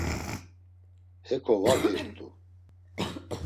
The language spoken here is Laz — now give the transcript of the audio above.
Heǩo va ğirt̆u.